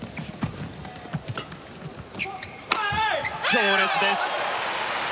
強烈です！